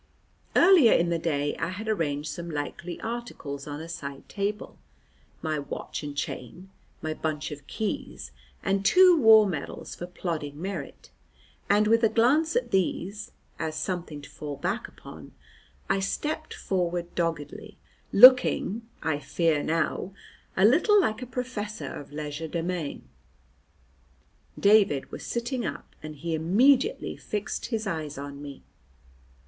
Earlier in the day I had arranged some likely articles on a side table: my watch and chain, my bunch of keys, and two war medals for plodding merit, and with a glance at these (as something to fall back upon), I stepped forward doggedly, looking (I fear now) a little like a professor of legerdemain. David was sitting up, and he immediately fixed his eyes on me.